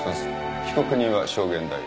被告人は証言台へ。